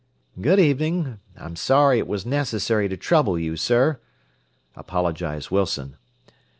"Good evening. I'm sorry it was necessary to trouble you, sir," apologized Wilson.